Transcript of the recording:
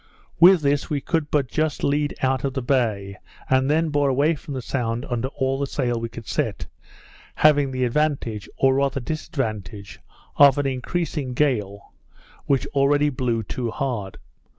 With this we could but just lead out of the bay, and then bore away for the Sound under all the sail we could set; having the advantage, or rather disadvantage, of an increasing gale, which already blew too hard.